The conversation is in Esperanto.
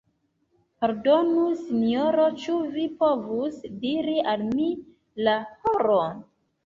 Pardonu Sinjoro, ĉu vi povus diri al mi la horon?